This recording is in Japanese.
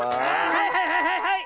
はいはいはいはい！